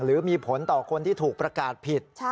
หรือมีผลต่อคนที่ถูกประกาศผิด